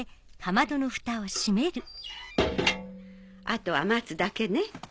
あとは待つだけね。